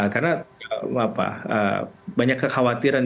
karena banyak kekhawatiran